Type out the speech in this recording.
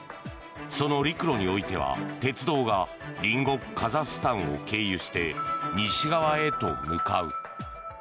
その陸路においては鉄道が隣国カザフスタンを経由して西側へと向かう。